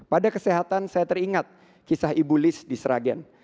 pada kesehatan saya teringat kisah ibu liz di sragen